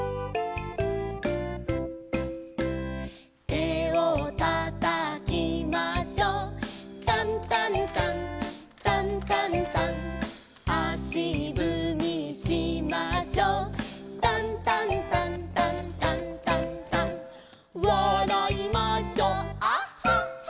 「手を叩きましょう」「タンタンタンタンタンタン」「足ぶみしましょう」「タンタンタンタンタンタンタン」「わらいましょうアッハッハ」